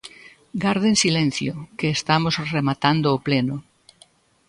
Garden silencio, que estamos rematando o pleno.